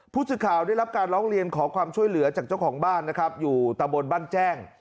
ผู้สื่อข่าวได้รับการร้องเรียนขอความช่วยเหลือจากเจ้าของบ้านนะครับอยู่ตะบนบ้านแจ้ง